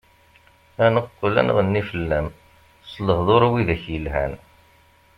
Ad neqqel ad nɣenni fell-am, s lehduṛ wid-ak yelhan.